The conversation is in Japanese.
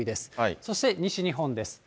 そして西日本です。